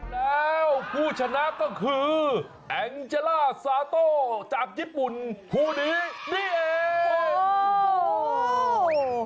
แล้วผู้ชนะก็คือแองเจล่าซาโต้จากญี่ปุ่นคู่นี้นี่เอง